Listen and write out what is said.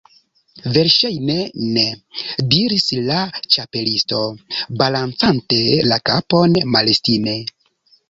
"Verŝajne ne," diris la Ĉapelisto, balancante la kapon malestime.